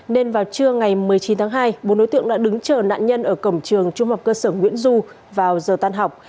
nên vào trưa ngày một mươi chín tháng hai bốn đối tượng đã đứng chờ nạn nhân ở cổng trường trung học cơ sở nguyễn du vào giờ tan học